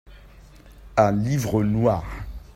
un livre noir.